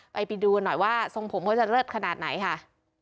ไปไปดูหน่อยว่าทรงผมก็จะเลิศขนาดไหนค่ะ